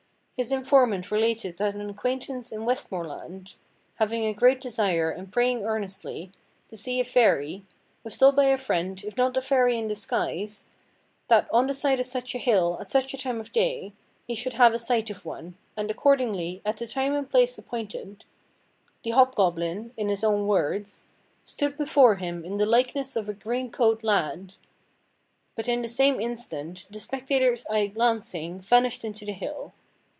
His informant related that an acquaintance in Westmoreland, having a great desire, and praying earnestly, to see a fairy, was told by a friend, if not a fairy in disguise, that on the side of such a hill, at such a time of day, he should have a sight of one, and accordingly, at the time and place appointed, "the hobgoblin," in his own words, "stood before him in the likeness of a green–coat lad," but in the same instant, the spectator's eye glancing, vanished into the hill.